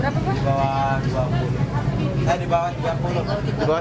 nah kadang ada yang ini sih